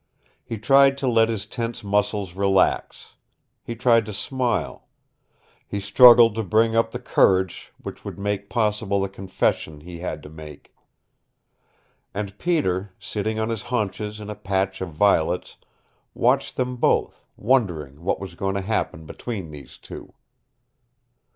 He tried to let his tense muscles relax. He tried to smile. He struggled to bring up the courage which would make possible the confession he had to make. And Peter, sitting on his haunches in a patch of violets, watched them both, wondering what was going to happen between these two.